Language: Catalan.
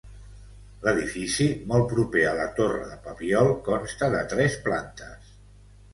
L'edifici, molt proper a la Torre de Papiol, consta de tres plantes.